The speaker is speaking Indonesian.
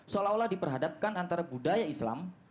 seolah olah diperhadapkan antara budaya islam